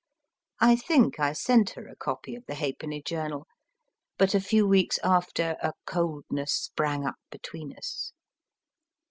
I think I sent her a copy of the Halfpenny Journal, but a few weeks after a coldness sprang up between us.